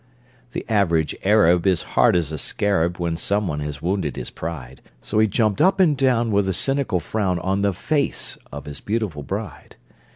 The average Arab Is hard as a scarab When some one has wounded his pride, So he jumped up and down, With a cynical frown, On the face of his beautiful bride!